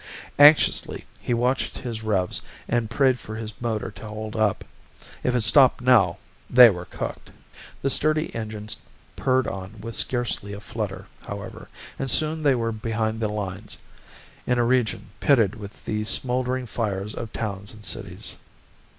Anxiously he watched his revs and prayed for his motor to hold up. If it stopped now, they were cooked! The sturdy engine purred on with scarcely a flutter, however, and soon they were behind the lines, in a region pitted with the smoldering fires of towns and cities.